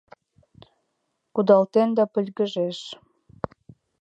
Кудалтéн да пы́льгыжéш...